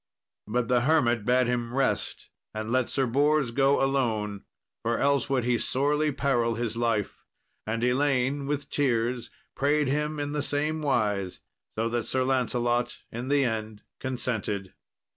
But the hermit bad him rest and let Sir Bors go alone, for else would he sorely peril his life. And Elaine, with tears, prayed him in the same wise, so that Sir Lancelot in the end consented.